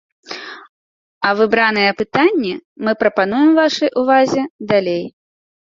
А выбраныя пытанні мы прапануем вашай увазе далей.